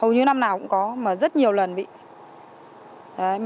nhưng không có gì